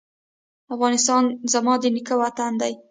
افغانستان زما د نیکه وطن دی